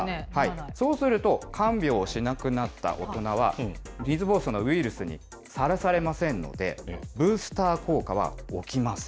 そうすると、看病をしなくなった大人は、水ぼうそうのウイルスにさらされませんので、そうか。